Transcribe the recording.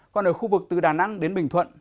còn ở khu vực từ đà nẵng đến bình thuận